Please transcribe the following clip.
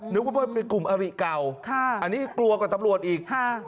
นึกว่าเป็นกลุ่มอริเก่าอันนี้กลัวกว่าตำรวจอีก